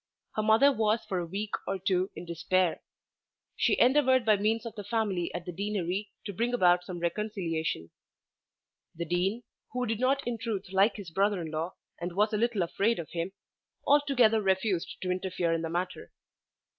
Her mother was for a week or two in despair. She endeavoured by means of the family at the Deanery to bring about some reconciliation. The Dean, who did not in truth like his brother in law and was a little afraid of him, altogether refused to interfere in the matter.